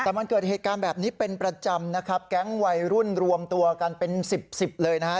แต่มันเกิดเหตุการณ์แบบนี้เป็นประจำนะครับแก๊งวัยรุ่นรวมตัวกันเป็นสิบสิบเลยนะฮะ